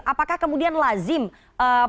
apakah kemudian lazim proses sempat